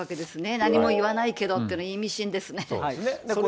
何も言わないけどっていうの、意そうですね。